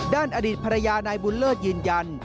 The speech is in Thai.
ด้านอดิษฐ์ภรรยานายบุญเลิศยืนยัน